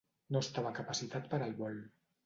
No estava capacitat per al vol.